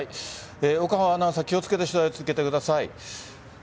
オカファーアナウンサー気をつけて取材を続けてください。